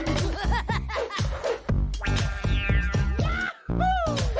ในวันนี้ก็เป็นการประเดิมถ่ายเพลงแรก